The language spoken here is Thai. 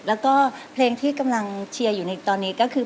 แล้วก็เพลงที่กำลังเชียร์อยู่ในตอนนี้ก็คือ